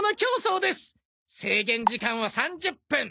制限時間は３０分！